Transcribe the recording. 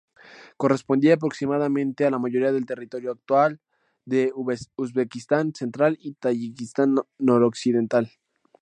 Correspondía aproximadamente a la mayoría del territorio actual de Uzbekistán central y Tayikistán noroccidental.